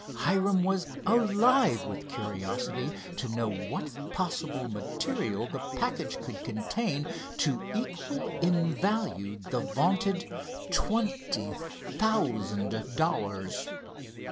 Hiram was alive with curiosity to know what possible material the package could contain to equal in value the vaunted twenty thousand dollars.